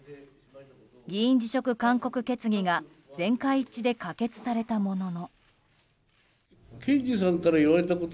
議員辞職勧告決議が全会一致で可決されたものの。